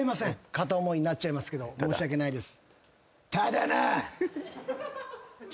片思いになっちゃいますけど申し訳ないです。